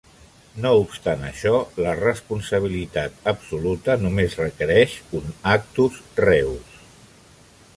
No obstant això, la responsabilitat absoluta només requereix un "actus reus".